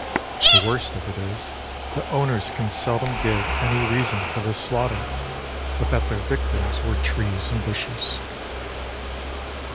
The worst of it is, the owners can seldom give any reason for this slaughter but that their victims were trees and bushes.